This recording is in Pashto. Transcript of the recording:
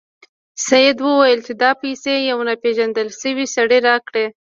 سید وویل چې دا پیسې یو ناپيژندل شوي سړي راکړې.